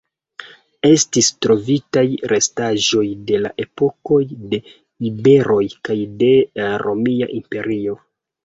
Estis trovitaj restaĵoj de la epokoj de iberoj kaj de Romia Imperio.